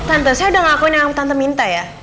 tante saya udah ngakuin yang tante minta ya